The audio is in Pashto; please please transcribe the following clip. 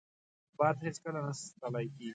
باد هیڅکله نه ستړی کېږي